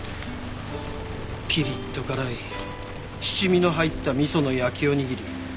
ピリッと辛い七味の入った味噌の焼きおにぎり。